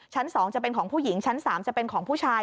ชั้น๒จะเป็นของผู้หญิงชั้น๓จะเป็นของผู้ชาย